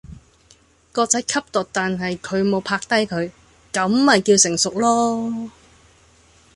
個仔吸毒但係佢無拍低佢，咁咪叫成熟囉